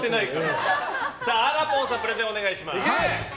では、あらぽんさんプレゼンお願いします。